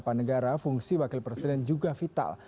seperti seperti melencari itu